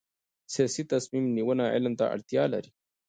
سیاسي تصمیم نیونه علم ته اړتیا لري